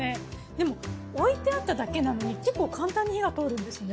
でも置いてあっただけなのに結構簡単に火が通るんですね。